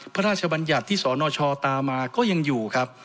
พระราชบัญญัติที่สอนชอบตามาก็ยังอยู่ครับ